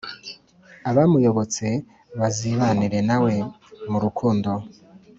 abamuyobotse bazibanire na we mu rukundo,